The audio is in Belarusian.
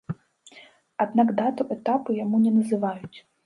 Аднак дату этапу яму не называюць.